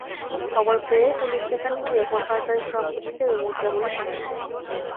খবর পেয়ে পুলিশ সেখানে গিয়ে সরকারি সম্পদ হিসেবে মুদ্রাগুলো থানায় নিয়ে যায়।